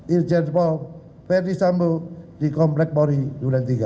irjen paul verdi sambo di komplek pori dulentiga